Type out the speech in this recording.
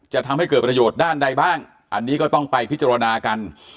จะทำให้เกิดประโยชน์ด้านใดบ้างอันนี้ก็ต้องไปพิจารณากัน